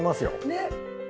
ねっ。